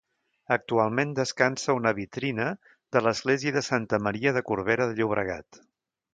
Actualment descansa a una vitrina de l'església de Santa Maria de Corbera de Llobregat.